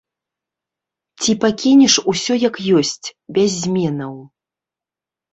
Ці пакінеш усё як ёсць, без зменаў?